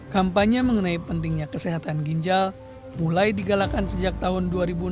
kampanye mengenai pentingnya kesehatan ginjal mulai digalakan sejak tahun dua ribu enam belas